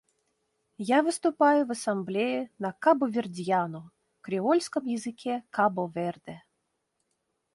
Я выступаю в Ассамблее на кабувердьяну — креольском языке Кабо-Верде.